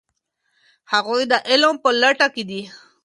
هغوی د علم په لټه کې دي.